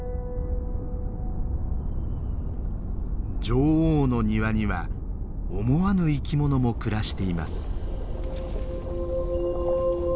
女王の庭には思わぬ生き物も暮らしています。